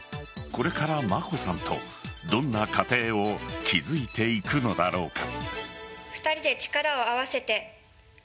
これから眞子さんとどんな家庭を築いていくのだろうか。